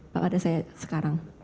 pak pada saya sekarang